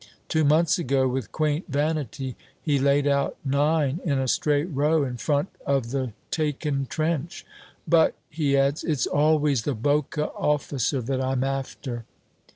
Two months ago, with quaint vanity, he laid out nine in a straight row, in front of the taken trench. "But," he adds, "it's always the Boche officer that I'm after."